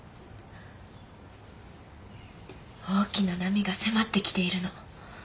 大きな波が迫ってきているの。